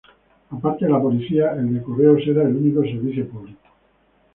Aparte de la policía, el de Correos era el único servicio público.